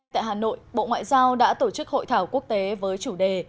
tại hà nội bộ ngoại giao đã tổ chức hội thảo quốc tế với chủ đề